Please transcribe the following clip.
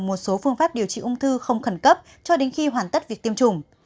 một số phương pháp điều trị ung thư không khẩn cấp cho đến khi hoàn tất việc tiêm chủng